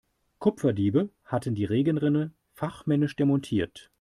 Kupferdiebe hatten die Regenrinne fachmännisch demontiert.